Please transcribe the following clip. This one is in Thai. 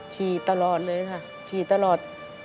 เชียงตลอดเลยค่ะเชียงตลอด